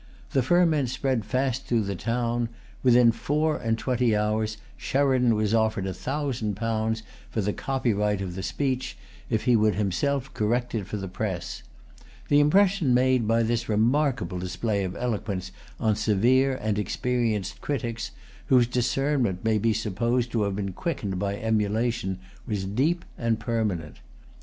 The ferment spread fast through the town. Within four and twenty hours, Sheridan was offered a thousand pounds for the copyright of the speech, if he would himself correct it for the press. The impression made by this remarkable display of eloquence on severe and experienced critics, whose discernment may be supposed to have been quickened by emulation, was deep and permanent.